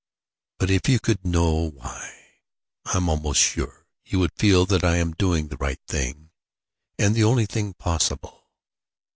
But if you could know why, I'm almost sure you would feel that I am doing the right thing, and the only thing possible.